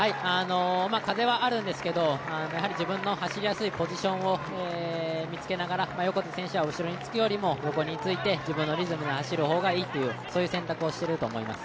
風はあるんですけど、自分の走りやすいポジションを見つけながら横手選手は後ろにつくよりも横について自分のリズムで走る方がいいと、そういう選択をしていると思います。